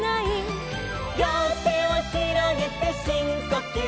「りょうてをひろげてしんこきゅう」